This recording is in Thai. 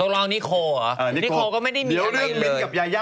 ตัวเรานิโคลเหรอนิโคลก็ไม่ได้มีอะไรเลย